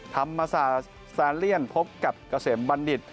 ธรรมสาธารณ์เลี่ยนพบกับเกษมบัณฑิต